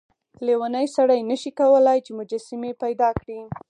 لیونی سړی نشي کولای چې مجسمې پیدا کړي.